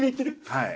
はい。